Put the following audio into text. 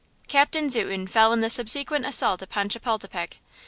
Captain Zuten fell in the subsequent assault upon Chapultepec.